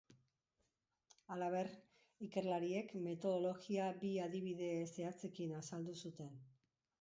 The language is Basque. Halaber, ikerlariek metodologia bi adibide zehatzekin azaldu zuten.